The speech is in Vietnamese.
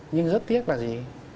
nhưng rất tiếc là gì